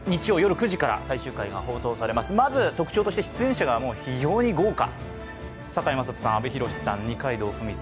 特徴として出演者が非常に豪華。